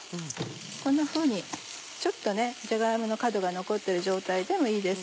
こんなふうにちょっとじゃが芋の角が残ってる状態でもいいです。